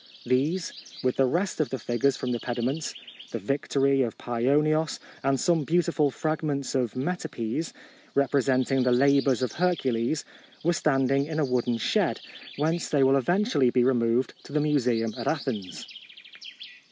These, with the rest of the figures from the pediments, the Victory of Paionios, and some beautiful fragments of metopes, re presenting the Labours of Hercules, were standing in a wooden shed, whence they will eventually be re moved to the museum at Athens.